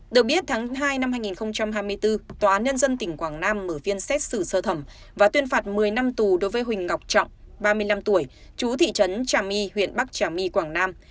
được biết tháng hai năm hai nghìn hai mươi bốn tòa án nhân dân tỉnh quảng nam mở phiên xét xử sơ thẩm và tuyên phạt một mươi năm tù đối với huỳnh ngọc trọng ba mươi năm tuổi chú thị trấn trà my huyện bắc trà my quảng nam